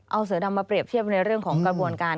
เอาเสือดำมาเปรียบเทียบในเรื่องของกระบวนการ